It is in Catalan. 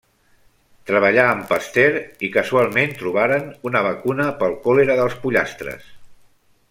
Treballà amb Pasteur i casualment trobaren una vacunal pel còlera dels pollastres.